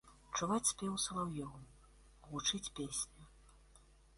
Чуваць спеў салаўёў, гучыць песня.